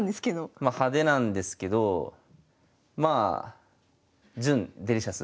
ま派手なんですけどまあ準デリシャス。